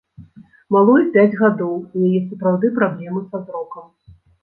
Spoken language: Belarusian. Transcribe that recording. Малой пяць гадоў, у яе сапраўды праблемы са зрокам.